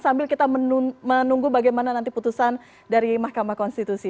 sambil kita menunggu bagaimana nanti putusan dari mahkamah konstitusi